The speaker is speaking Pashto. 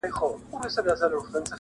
تاته هم یو زر دیناره درکومه,